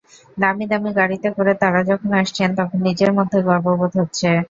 দামি দামি গাড়িতে করে তারা যখন আসছেন, তখন নিজের মধ্যে গর্ববোধ হচ্ছে।